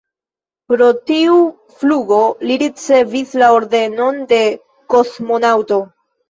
Pro tiu flugo li ricevis la Ordenon de kosmonaŭto.